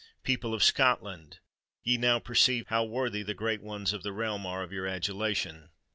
People of Scotland! ye now perceive how worthy the great ones of the realm are of your adulation!